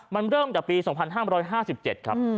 มันเริ่มจากปี๒๕๕๗ครับ